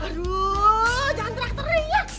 aduh jangan terang terang ya